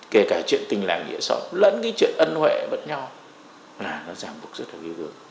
kể cả chuyện tình làng nghĩa sở lẫn chuyện ân huệ với nhau là giảm cuộc rất là dữ dữ